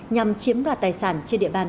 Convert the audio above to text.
nhằm chiếm đoạt tài sản trên địa bàn